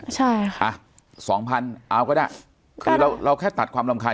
ใช่ค่ะอ่ะสองพันเอาก็ได้คือเราเราแค่ตัดความรำคาญ